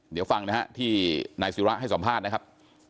เดี๋ยวฟังนะฮะที่นายศิระให้สัมภาษณ์นะครับ